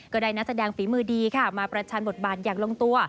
ก็ได้นักแสดงฝีมือดีค่ะมาประชันบทบาทอย่างลงตัว